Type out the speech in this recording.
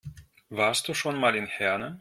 Warst du schon mal in Herne?